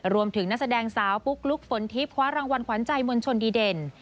นักแสดงสาวปุ๊กลุ๊กฝนทิพย์คว้ารางวัลขวัญใจมวลชนดีเด่น